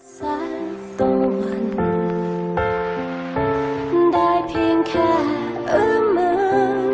สันต้นได้เพียงแค่เอื้อมือ